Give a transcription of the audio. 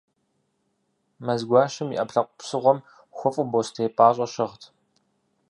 Мэзгуащэм, и ӏэпкълъэпкъ псыгъуэм хуэфӏу бостей пӏащӏэ щыгът.